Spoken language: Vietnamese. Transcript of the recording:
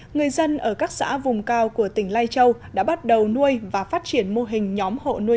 người dân ở các xã vùng cao của tỉnh lai châu đã bắt đầu nuôi và phát triển mô hình nhóm hộ nuôi